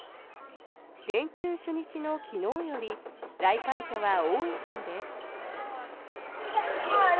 連休初日の昨日より来館者は多いそうです。